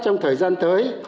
trong thời gian tới